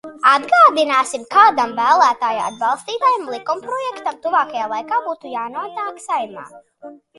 Atgādināsim, kādam vēlētāju atbalstītam likumprojektam tuvākajā laikā būtu jānonāk Saeimā.